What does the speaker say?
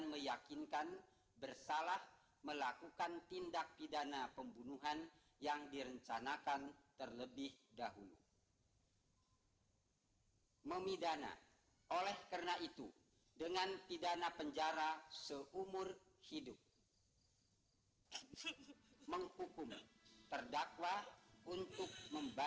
baik nanti ibu akan telegram mereka supaya datang ke jakarta